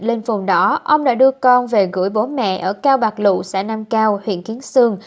lên vùng đó ông đã đưa con về gửi bố mẹ ở cao bạc lụ xã nam cao huyện kiến sương